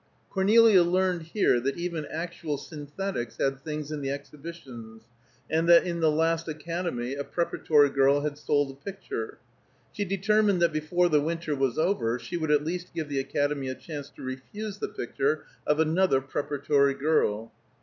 Cornelia learned here that even actual Synthetics had things in the exhibitions, and that in the last Academy a Preparatory girl had sold a picture; she determined that before the winter was over she would at least give the Academy a chance to refuse the picture of another Preparatory girl.